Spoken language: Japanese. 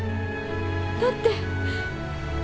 だって。